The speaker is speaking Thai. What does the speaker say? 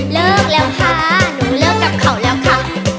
เลิกแล้วค่ะหนูเลิกกับเขาแล้วค่ะ